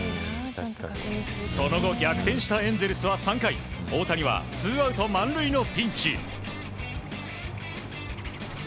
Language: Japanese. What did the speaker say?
その後逆転したエンゼルスは３回大谷はツーアウト満塁のピンチ。